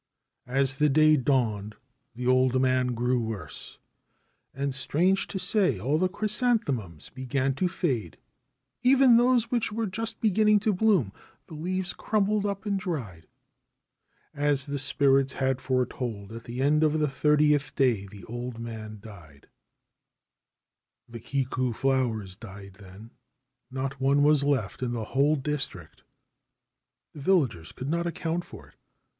As the day dawned the old man grew worse, and, strange to say, all the chrysanthemums began to fade — even those which were just beginning to bloom ;— the leaves crumpled up and dried. As the spirits had foretold, at the end of the thirtieth 289 37 Ancient Tales and Folklore of Japan day the old man died. The Kiku flowers died then. Not one was left in the whole district. The villagers could not account for it.